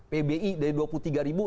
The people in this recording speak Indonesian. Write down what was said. pbi dari dua puluh tiga ribu